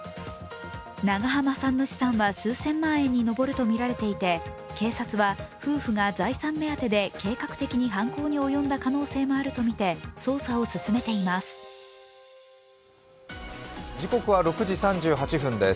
長濱さんの資産は数千万円に上るとみられていて警察は夫婦が財産目当てで計画的に犯行に及んだ可能性もあるとみて捜査を進めています。